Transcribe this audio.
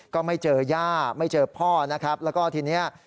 ก็ไม่เจอย่าไม่เจอพ่อนะครับแล้วก็ทีนี้